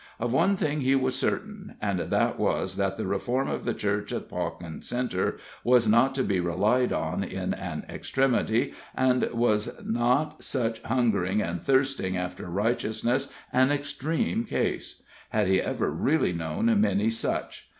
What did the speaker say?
Of one thing he was certain, and that was that the reform of the Church at Pawkin Centre was not to be relied on in an extremity, and was not such hungering and thirsting after righteousness an extreme case? had he ever really known many such!